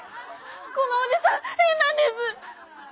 このおじさん変なんです。